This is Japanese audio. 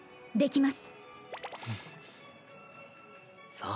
そう。